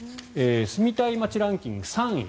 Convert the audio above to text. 住みたい街ランキング３位。